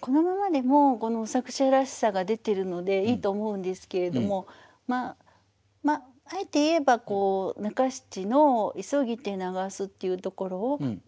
このままでも作者らしさが出てるのでいいと思うんですけれどもあえて言えば中七の「急ぎて流す」というところをなるほど。